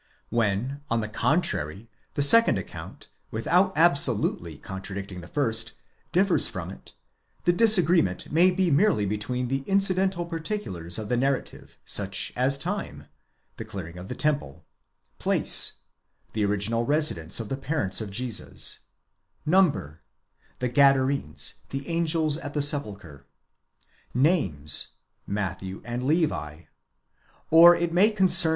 ° When on the contrary, the second account, without absolutely contradicting the first, differs from it, the disagreement may be merely between the inci dental particulars of the narrative ; such as ¢ime, (the clearing of the Temple,) place, (the original residence of the parents of Jesus ;) number, (the Gadarenes, the angels at the sepulchre ;) ames, (Matthew and Levi ;) or it may concern DEVELOPMENT OF THE MYTHICAL POINT OF VIEW.